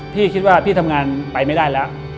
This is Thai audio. พี่คิดว่าพี่ทำงานไปไม่ได้แล้ว